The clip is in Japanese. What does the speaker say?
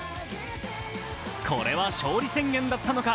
これは勝利宣言だったのか。